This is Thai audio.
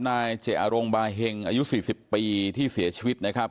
นายเจอารงบาเฮงอายุ๔๐ปีที่เสียชีวิตนะครับ